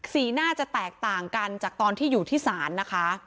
สีหน้าจะแตกต่างกันจากตอนที่อยู่ที่ศาลนะคะ